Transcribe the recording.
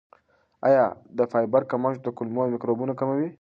آیا د فایبر کمښت د کولمو میکروبونه کموي؟